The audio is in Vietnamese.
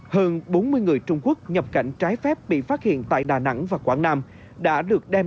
hơn bốn mươi người trung quốc nhập cảnh trái phép bị phát hiện tại đà nẵng và quảng nam đã được đem